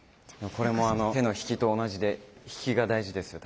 これもあの手の引きと同じで引きが大事ですよ。